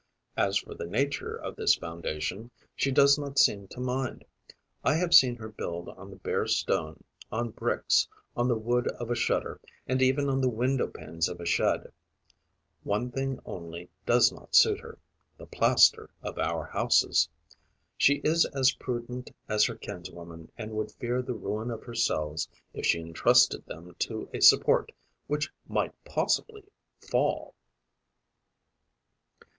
As for the nature of this foundation, she does not seem to mind. I have seen her build on the bare stone, on bricks, on the wood of a shutter and even on the window panes of a shed. One thing only does not suit her: the plaster of our houses. She is as prudent as her kinswoman and would fear the ruin of her cells, if she entrusted them to a support which might possibly fall.